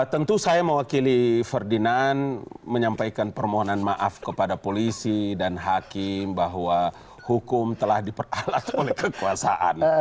tentu saya mewakili ferdinand menyampaikan permohonan maaf kepada polisi dan hakim bahwa hukum telah diperalat oleh kekuasaan